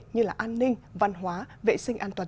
như là an ninh văn hóa vệ sinh an toàn